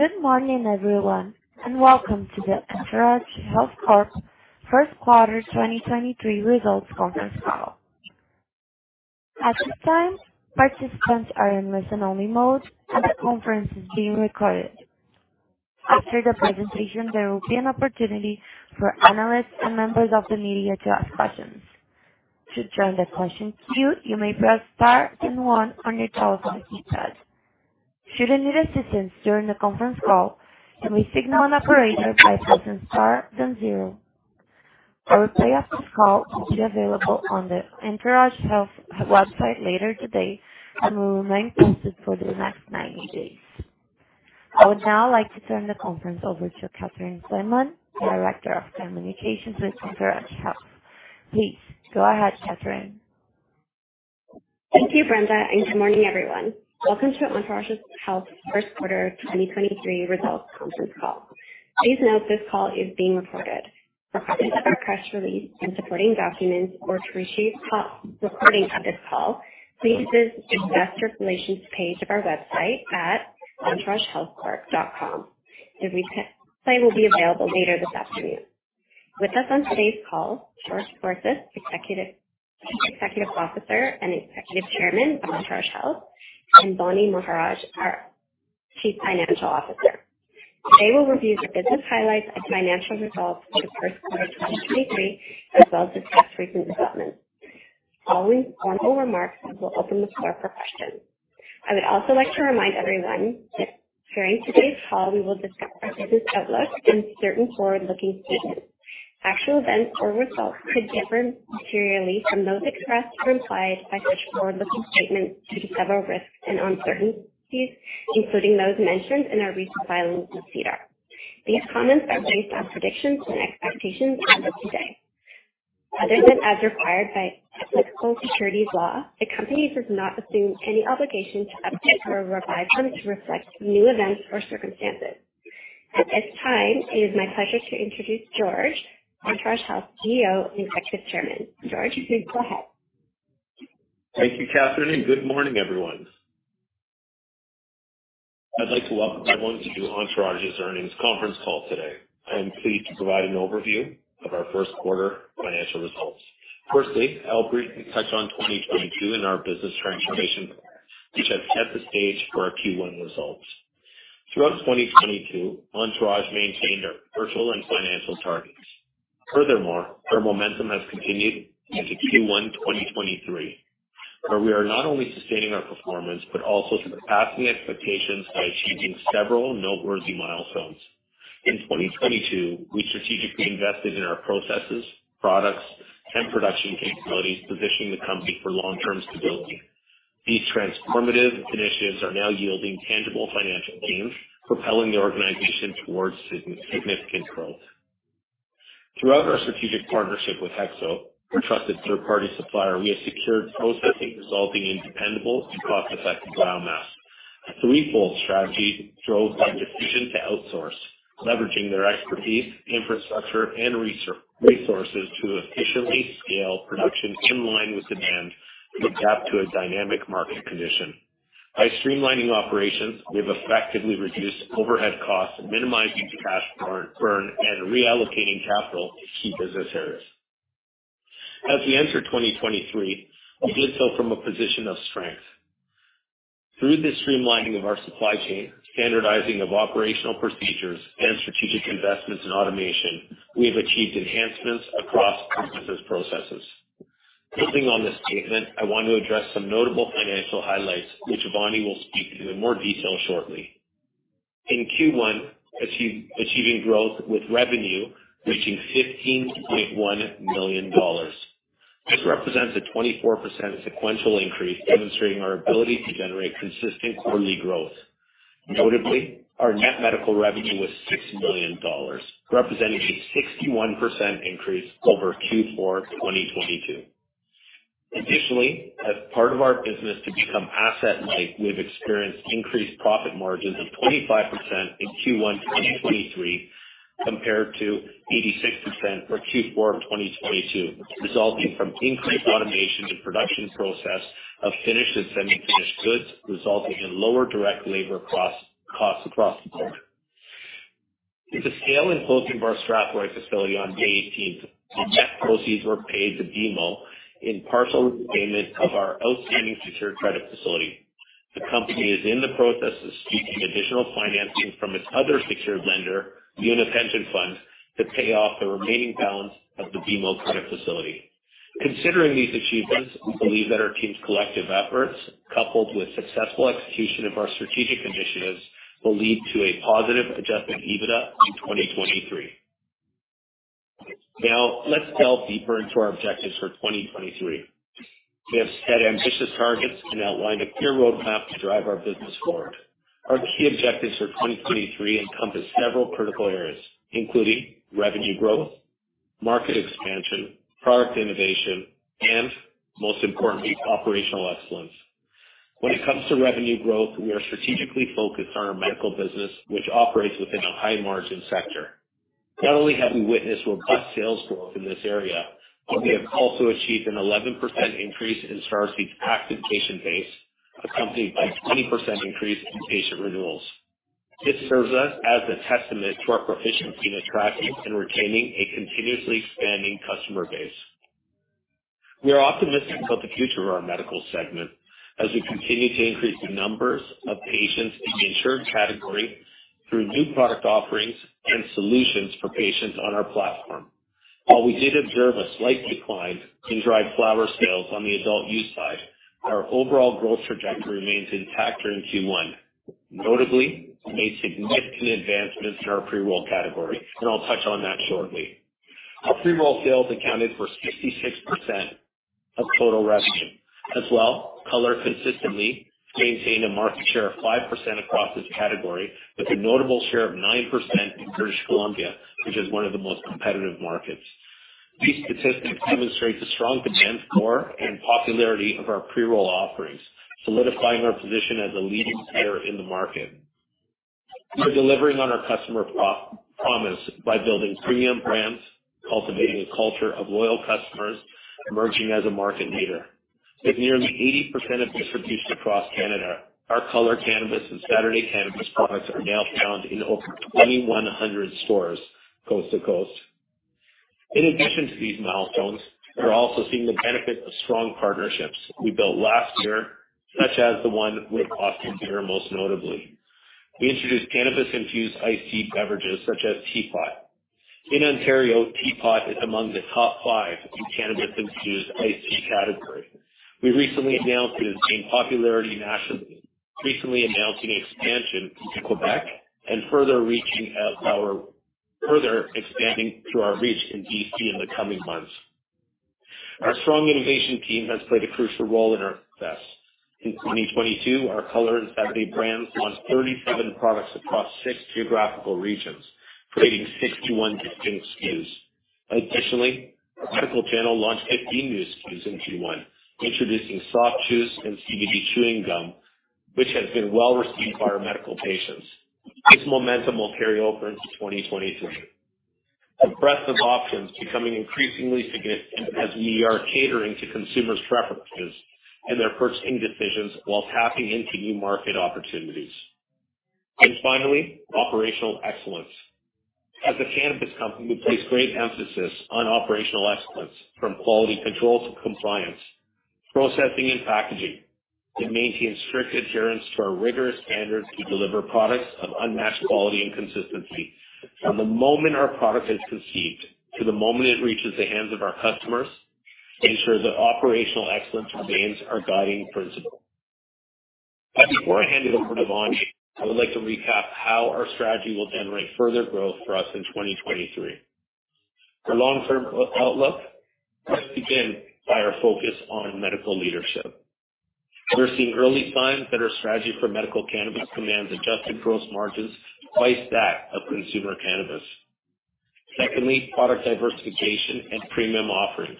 Good morning, everyone, and welcome to the Entourage Health Corp first quarter 2023 results conference call. At this time, participants are in listen-only mode, and the conference is being recorded. After the presentation, there will be an opportunity for analysts and members of the media to ask questions. To join the question queue, you may press star and one on your telephone keypad. Should you need assistance during the conference call, you may signal an operator by pressing star then zero. Our replay of this call will be available on the Entourage Health website later today and will remain posted for the next 90 days. I would now like to turn the conference over to Catherine Flaman, Director of Communications with Entourage Health. Please go ahead, Catherine. Thank you, Brenda, and good morning, everyone. Welcome to Entourage Health's first quarter 2023 results conference call. Please note, this call is being recorded. For copies of our press release and supporting documents or to receive a recording of this call, please visit the Investor Relations page of our website at entouragehealthcorp.com. The replay will be available later this afternoon. With us on today's call, George Scorsis, Chief Executive Officer and Executive Chairman of Entourage Health, and Vaani Maharaj, our Chief Financial Officer. They will review the business highlights and financial results for the first quarter of 2023, as well as the most recent developments. Following final remarks, we'll open the floor for questions. I would also like to remind everyone that during today's call, we will discuss our business outlook and certain forward-looking statements. Actual events or results could differ materially from those expressed or implied by such forward-looking statements due to several risks and uncertainties, including those mentioned in our recent filings with SEDAR. These comments are based on predictions and expectations as of today. Other than as required by applicable securities law, the company does not assume any obligation to update or revise them to reflect new events or circumstances. At this time, it is my pleasure to introduce George, Entourage Health's CEO and Executive Chairman. George, please go ahead. Thank you, Catherine. Good morning, everyone. I'd like to welcome everyone to Entourage's earnings conference call today. I am pleased to provide an overview of our first quarter financial results. Firstly, I'll briefly touch on 2022 and our business transformation, which have set the stage for our Q1 results. Throughout 2022, Entourage maintained our virtual and financial targets. Furthermore, our momentum has continued into Q1 2023, where we are not only sustaining our performance, but also surpassing expectations by achieving several noteworthy milestones. In 2022, we strategically invested in our processes, products, and production capabilities, positioning the company for long-term stability. These transformative initiatives are now yielding tangible financial gains, propelling the organization towards significant growth. Throughout our strategic partnership with HEXO, our trusted third-party supplier, we have secured processing, resulting in dependable and cost-effective biomass. A threefold strategy drove our decision to outsource, leveraging their expertise, infrastructure, and resources to efficiently scale production in line with demand to adapt to a dynamic market condition. By streamlining operations, we have effectively reduced overhead costs, minimizing cash burn, and reallocating capital to key business areas. As we enter 2023, we build from a position of strength. Through the streamlining of our supply chain, standardizing of operational procedures, and strategic investments in automation, we have achieved enhancements across key business processes. Building on this statement, I want to address some notable financial highlights, which Vaani will speak to in more detail shortly. In Q1, achieving growth with revenue reaching 15.1 million dollars. This represents a 24% sequential increase, demonstrating our ability to generate consistent quarterly growth. Notably, our net medical revenue was 6 million dollars, representing a 61% increase over Q4 2022. As part of our business to become asset light, we've experienced increased profit margins of 25% in Q1 2023, compared to 86% for Q4 of 2022, resulting from increased automation to production process of finished and unfinished goods, resulting in lower direct labor costs across the board. With the sale and closing of our Strathroy facility on May 18th, the net proceeds were paid to BMO in partial payment of our outstanding secured credit facility. The company is in the process of seeking additional financing from its other secured lender, the LiUNA Pension Fund of Central and Eastern Canada, to pay off the remaining balance of the BMO credit facility. Considering these achievements, we believe that our team's collective efforts, coupled with successful execution of our strategic initiatives, will lead to a positive Adjusted EBITDA in 2023. Now, let's delve deeper into our objectives for 2023. We have set ambitious targets and outlined a clear roadmap to drive our business forward. Our key objectives for 2023 encompass several critical areas, including revenue growth, market expansion, product innovation, and most importantly, operational excellence. When it comes to revenue growth, we are strategically focused on our medical business, which operates within a high-margin sector. Not only have we witnessed robust sales growth in this area, but we have also achieved an 11% increase in Starseed active patient base, accompanied by a 20% increase in patient renewals. This serves us as a testament to our proficiency in attracting and retaining a continuously expanding customer base. We are optimistic about the future of our medical segment as we continue to increase the numbers of patients in the insured category through new product offerings and solutions for patients on our platform. While we did observe a slight decline in dried flower sales on the adult use side, our overall growth trajectory remains intact during Q1, notably made significant advancements in our pre-roll category. I'll touch on that shortly. Our pre-roll sales accounted for 66% of total revenue. As well, Color consistently maintained a market share of 5% across this category, with a notable share of 9% in British Columbia, which is one of the most competitive markets. These statistics demonstrate the strong demand for and popularity of our pre-roll offerings, solidifying our position as a leading player in the market. We're delivering on our customer promise by building premium brands, cultivating a culture of loyal customers, emerging as a market leader. With nearly 80% of distribution across Canada, our Color Cannabis and Saturday Cannabis products are now found in over 2,100 stores coast to coast. In addition to these milestones, we're also seeing the benefit of strong partnerships we built last year, such as the one with Boston Beer, most notably. We introduced cannabis-infused iced tea beverages such as TeaPot. In Ontario, TeaPot is among the top five in the cannabis-infused iced tea category. We recently announced it has gained popularity nationally, recently announcing expansion into Quebec and further expanding to our reach in B.C. in the coming months. Our strong innovation team has played a crucial role in our success. In 2022, our Color and Saturday brands launched 37 products across six geographical regions, creating 61 distinct SKUs. Additionally, our medical channel launched 15 new SKUs in Q1, introducing soft chews and CBD chewing gum, which has been well received by our medical patients. This momentum will carry over into 2023. The breadth of options becoming increasingly significant as we are catering to consumers' preferences and their purchasing decisions while tapping into new market opportunities. Finally, operational excellence. As a cannabis company, we place great emphasis on operational excellence, from quality control to compliance, processing and packaging. We maintain strict adherence to our rigorous standards to deliver products of unmatched quality and consistency. From the moment our product is conceived to the moment it reaches the hands of our customers, we ensure that operational excellence remains our guiding principle. Before I hand it over to Vaani, I would like to recap how our strategy will generate further growth for us in 2023. The long-term outlook must begin by our focus on medical leadership. We're seeing early signs that our strategy for medical cannabis commands adjusted gross margins twice that of consumer cannabis. Secondly, product diversification and premium offerings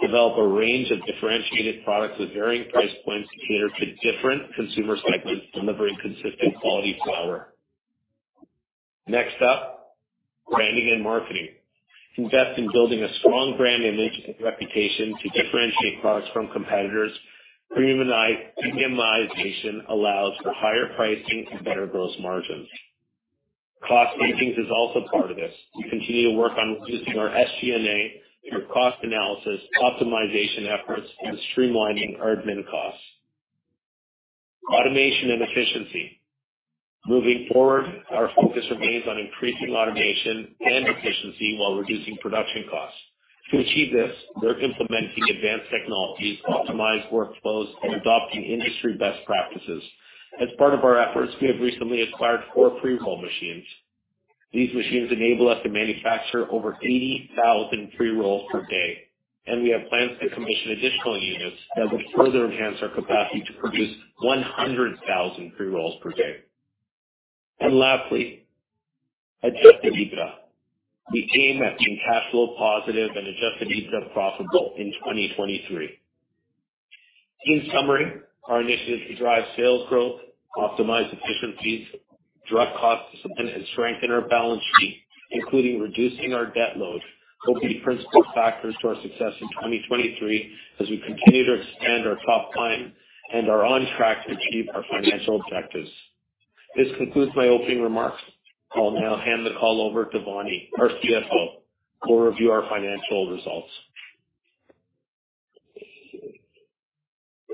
develop a range of differentiated products with varying price points to cater to different consumer segments, delivering consistent quality flower. Next up, branding and marketing. Invest in building a strong brand and reputation to differentiate products from competitors. Premiumization allows for higher pricing and better gross margins. Cost savings is also part of this. We continue to work on reducing our SG&A through cost analysis, optimization efforts, and streamlining our admin costs. Automation and efficiency. Moving forward, our focus remains on increasing automation and efficiency while reducing production costs. To achieve this, we're implementing advanced technologies, optimized workflows, and adopting industry best practices. As part of our efforts, we have recently acquired four pre-roll machines. These machines enable us to manufacture over 80,000 pre-rolls per day, we have plans to commission additional units that will further enhance our capacity to produce 100,000 pre-rolls per day. Lastly, Adjusted EBITDA. We aim at being cash flow positive and Adjusted EBITDA profitable in 2023. In summary, our initiative to drive sales growth, optimize efficiencies, drive costs, and strengthen our balance sheet, including reducing our debt load, will be principal factors to our success in 2023 as we continue to expand our top line and are on track to achieve our financial objectives. This concludes my opening remarks. I'll now hand the call over to Vaani, our CFO, who will review our financial results.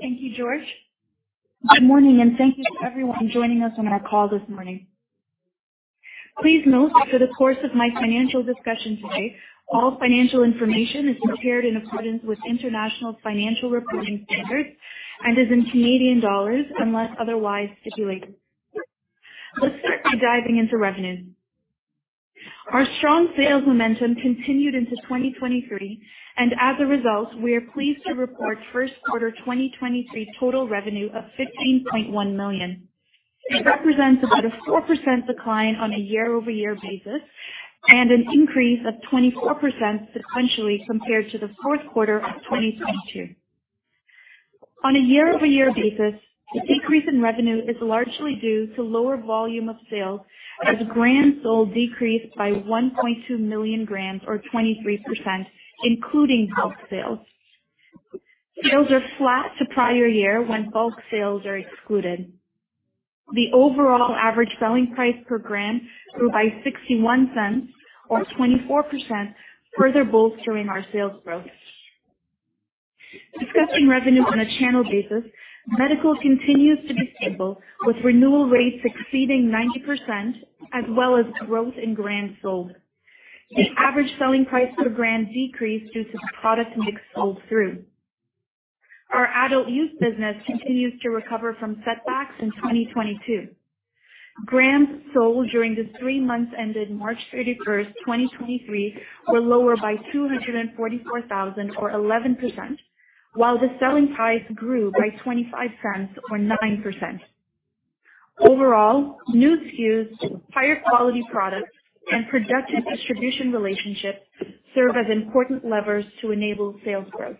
Thank you, George. Good morning, thank you to everyone joining us on our call this morning. Please note that for the course of my financial discussion today, all financial information is prepared in accordance with International Financial Reporting Standards and is in Canadian dollars unless otherwise stipulated. Let's start by diving into revenue. Our strong sales momentum continued into 2023, and as a result, we are pleased to report first quarter 2023 total revenue of 15.1 million. It represents about a 4% decline on a year-over-year basis and an increase of 24% sequentially compared to the fourth quarter of 2022. On a year-over-year basis, the decrease in revenue is largely due to lower volume of sales, as grams sold decreased by 1.2 million grams or 23%, including bulk sales. Sales are flat to prior year when bulk sales are excluded. The overall average selling price per gram grew by 0.61 or 24%, further bolstering our sales growth. Discussing revenue on a channel basis, medical continues to be stable, with renewal rates exceeding 90% as well as growth in grams sold. The average selling price per gram decreased due to the product mix sold through. Our adult use business continues to recover from setbacks in 2022. Grams sold during the three months ended March 31st, 2023, were lower by 244,000 or 11%, while the selling price grew by 0.25 or 9%. Overall, new SKUs, higher quality products, and productive distribution relationships serve as important levers to enable sales growth.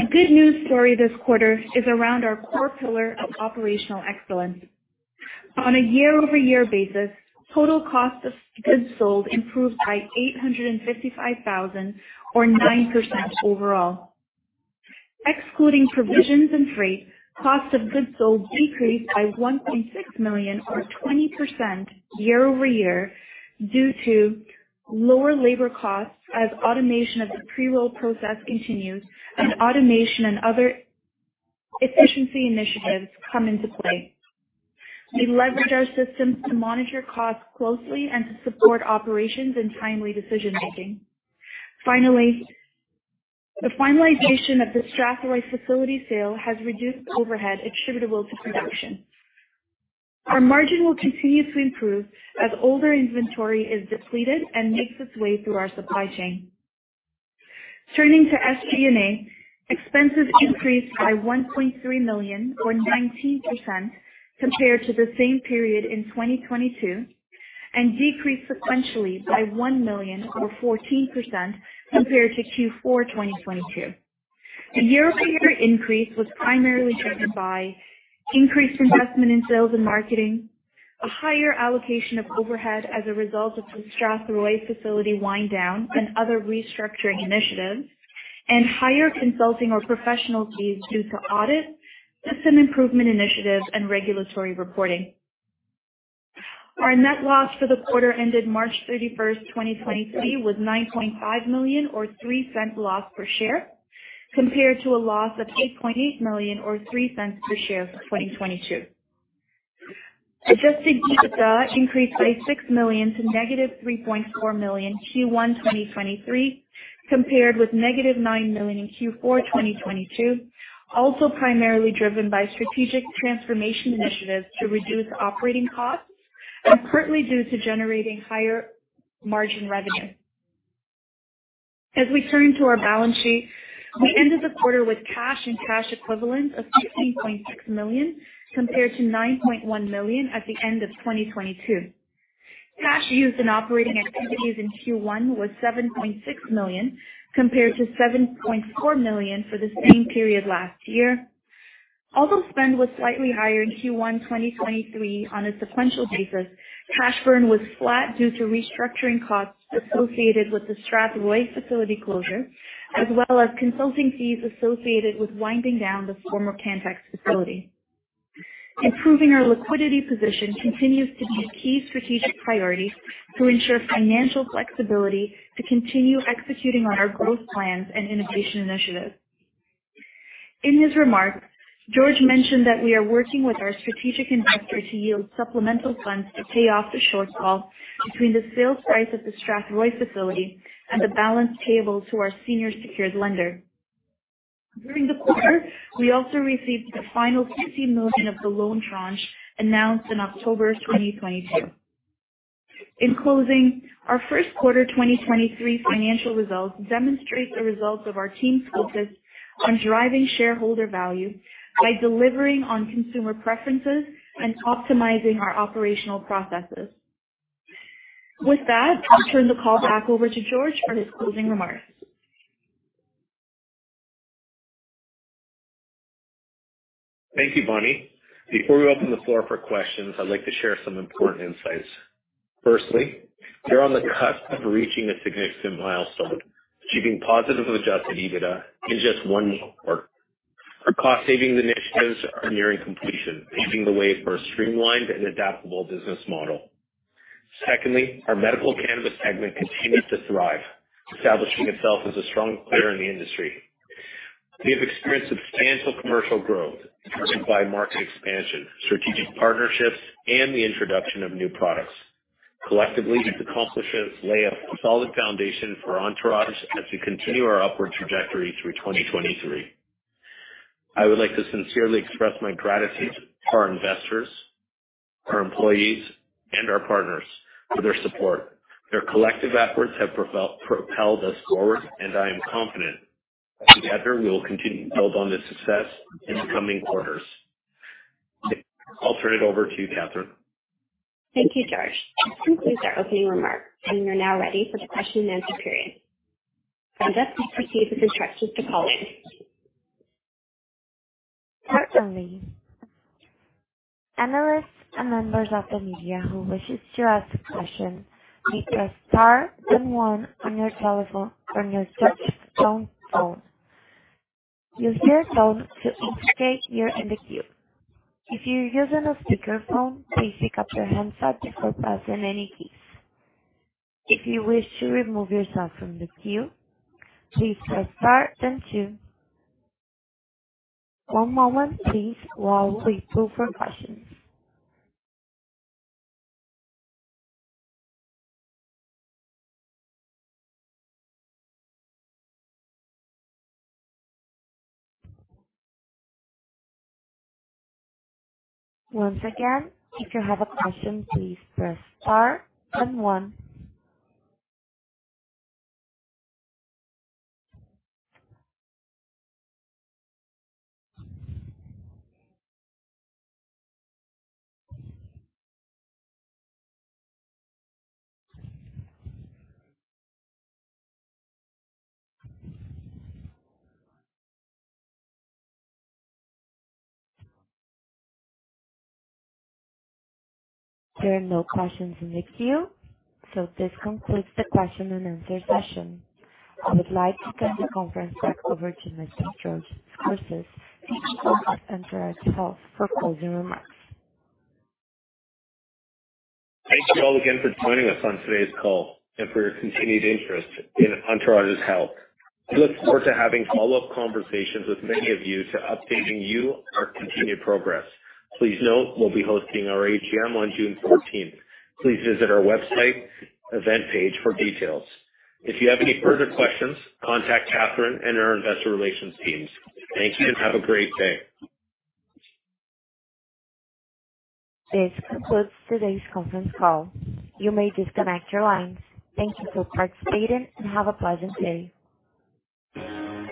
A good news story this quarter is around our core pillar of operational excellence. On a year-over-year basis, total cost of goods sold improved by 855,000 or 9% overall. Excluding provisions and freight, cost of goods sold decreased by 1.6 million or 20% year-over-year, due to lower labor costs as automation of the pre-roll process continues and automation and other efficiency initiatives come into play. We leverage our systems to monitor costs closely and to support operations and timely decision making. The finalization of the Strathroy facility sale has reduced overhead attributable to production. Our margin will continue to improve as older inventory is depleted and makes its way through our supply chain. Turning to SG&A, expenses increased by 1.3 million, or 19% compared to the same period in 2022, decreased sequentially by 1 million, or 14% compared to Q4 2022. The year-over-year increase was primarily driven by increased investment in sales and marketing, a higher allocation of overhead as a result of the Strathroy facility wind down and other restructuring initiatives, and higher consulting or professional fees due to audit, system improvement initiatives, and regulatory reporting. Our net loss for the quarter ended March 31st, 2023, was 9.5 million or 0.03 loss per share, compared to a loss of 8.8 million or 0.03 per share for 2022. Adjusted EBITDA increased by 6 million to negative 3.4 million Q1 2023, compared with negative 9 million in Q4 2022, also primarily driven by strategic transformation initiatives to reduce operating costs and partly due to generating higher margin revenue. We turn to our balance sheet, we ended the quarter with cash and cash equivalents of 16.6 million, compared to 9.1 million at the end of 2022. Cash used in operating activities in Q1 was 7.6 million, compared to 7.4 million for the same period last year. Although spend was slightly higher in Q1 2023 on a sequential basis, cash burn was flat due to restructuring costs associated with the Strathroy facility closure, as well as consulting fees associated with winding down the former CannTx facility. Improving our liquidity position continues to be a key strategic priority to ensure financial flexibility, to continue executing on our growth plans and innovation initiatives. In his remarks, George mentioned that we are working with our strategic investor to yield supplemental funds to pay off the shortfall between the sales price of the Strathroy facility and the balance payable to our senior secured lender. During the quarter, we also received the final 15 million of the loan tranche announced in October 2022. In closing, our first quarter 2023 financial results demonstrate the results of our team's focus on driving shareholder value by delivering on consumer preferences and optimizing our operational processes. With that, I'll turn the call back over to George for his closing remarks. Thank you, Vaani. Before we open the floor for questions, I'd like to share some important insights. Firstly, we are on the cusp of reaching a significant milestone, achieving positive Adjusted EBITDA in just one quarter. Our cost-saving initiatives are nearing completion, paving the way for a streamlined and adaptable business model. Secondly, our medical cannabis segment continues to thrive, establishing itself as a strong player in the industry. We have experienced substantial commercial growth, driven by market expansion, strategic partnerships, and the introduction of new products. Collectively, these accomplishments lay a solid foundation for Entourage Health as we continue our upward trajectory through 2023. I would like to sincerely express my gratitude to our investors, our employees, and our partners for their support. Their collective efforts have propelled us forward, and I am confident that together, we will continue to build on this success in the coming quarters. I'll turn it over to Catherine. Thank you, George. This concludes our opening remarks, and we're now ready for the question and answer period. Brenda, please proceed with instructions to call in. Certainly, analysts and members of the media who wishes to ask a question, press star then one on your telephone from your touchtone phone. Use your phone to indicate you're in the queue. If you're using a speakerphone, please pick up your handset before pressing any keys. If you wish to remove yourself from the queue, please press star then two. One moment please, while we wait for questions. Once again, if you have a question, please press star then one. There are no questions in the queue. This concludes the question and answer session. I would like to turn the conference back over to Mr. George Scorsis, CEO of Entourage Health, for closing remarks. Thank you all again for joining us on today's call and for your continued interest in Entourage Health's. We look forward to having follow-up conversations with many of you to updating you on our continued progress. Please note we'll be hosting our AGM on June 14th. Please visit our website event page for details. If you have any further questions, contact Catherine and our investor relations teams. Thank you, and have a great day. This concludes today's conference call. You may disconnect your lines. Thank you for participating, and have a pleasant day.